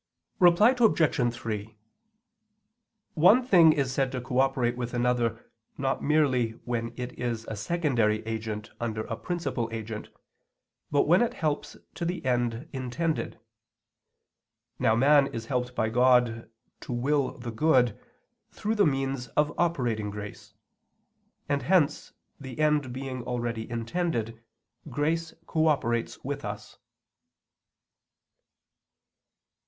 Reply Obj. 3: One thing is said to cooperate with another not merely when it is a secondary agent under a principal agent, but when it helps to the end intended. Now man is helped by God to will the good, through the means of operating grace. And hence, the end being already intended, grace cooperates with us.